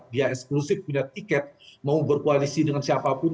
dia eksklusif punya tiket mau berkoalisi dengan siapapun